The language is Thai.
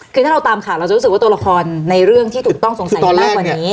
คือถ้าเราตามข่าวเราจะรู้สึกว่าตัวละครในเรื่องที่ถูกต้องสงสัยมากกว่านี้